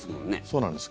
そうなんです。